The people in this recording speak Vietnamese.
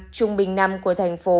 trung bình năm của thành phố